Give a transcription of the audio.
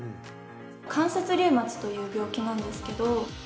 関節リウマチという病気なんですけど。